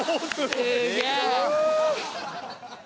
すげえ！